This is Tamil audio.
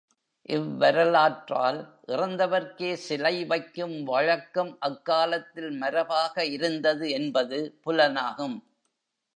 இவ்வரலாற்றால், இறந்தவர்க்கே சிலை வைக்கும் வழக்கம் அக்காலத்தில் மரபாக இருந்தது என்பது புலனாகும்.